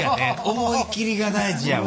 思い切りが大事やわ。